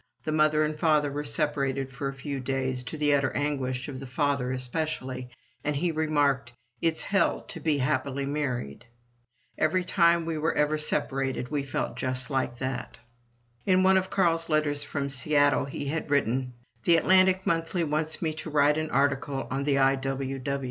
The mother and father were separated for a few days, to the utter anguish of the father especially, and he remarked, "It's Hell to be happily married!" Every time we were ever separated we felt just that. In one of Carl's letters from Seattle he had written: "The 'Atlantic Monthly' wants me to write an article on the I.W.W.!!"